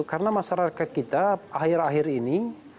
karena masyarakat kita akhir akhir ini